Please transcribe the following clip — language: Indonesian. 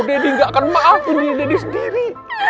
daddy gak akan maafin diri diri sendiri